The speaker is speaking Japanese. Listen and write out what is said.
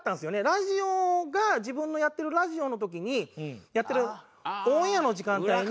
ラジオが自分のやってるラジオの時にやってるオンエアの時間帯に。